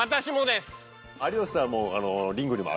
有吉さんも。